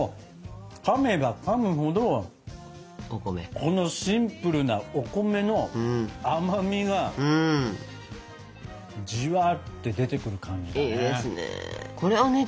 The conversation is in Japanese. かめばかむほどこのシンプルなお米の甘みがじわって出てくる感じだね。